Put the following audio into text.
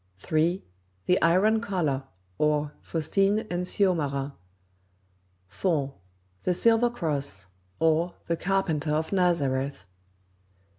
The Iron Collar; or, Faustine and Syomara; 4. The Silver Cross; or, The Carpenter of Nazareth; 5.